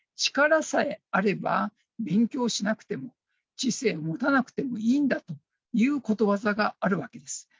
力さえあれば勉強しなくても、知性を持たなくてもいいんだということわざがあるわけです。